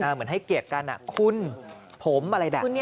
เหมือนให้เกียรติกันคุณผมอะไรแบบนี้